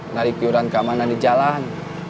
narik yuran kemana di jalan